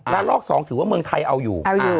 ลอก๒ถือว่าเมืองไทยเอาอยู่